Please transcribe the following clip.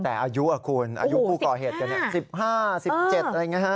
แต่อายุอะคุณอายุคู่ก่อเหตุอย่างนี้๑๕๑๗อะไรอย่างนี้